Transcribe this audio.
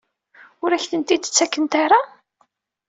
Ur ak-ten-id-ttakent ara?